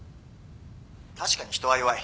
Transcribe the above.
確かに人は弱い。